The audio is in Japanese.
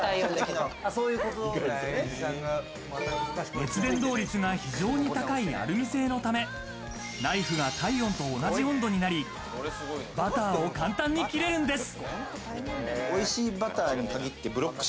熱伝導率が非常に高いアルミ製のため、ライフが体温と同じ温度になり、バターを簡単に切れるんです。